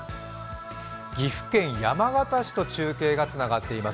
岐阜県山県市と中継がつながっています。